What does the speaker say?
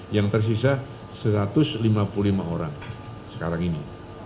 yang tersisa satu ratus lima puluh lima orang sekarang ini